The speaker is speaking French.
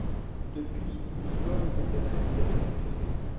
Depuis, huit vols ont été réalisés avec succès.